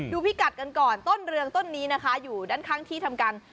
ดูพิกัดกันก่อนต้นเรืองต้นนี้นะคร้าวอยู่ในที่ทำงาน